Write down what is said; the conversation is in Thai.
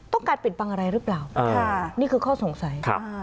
ต้องการปิดบังอะไรหรือเปล่านี่คือข้อสงสัย